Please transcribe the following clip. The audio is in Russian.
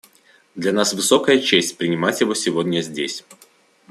Для нас высокая честь принимать его сегодня здесь.